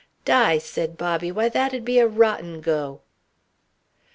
"Di," said Bobby, "why, that'd be a rotten go."